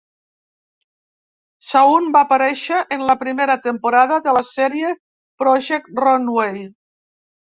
Saun va aparèixer en la primera temporada de la sèrie "Project Runway".